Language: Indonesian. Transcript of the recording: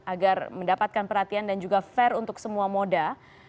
agar mendapatkan perhatian dan juga fair untuk semua moda